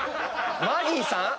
マギーさん？